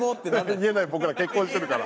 言えない僕ら結婚してるから。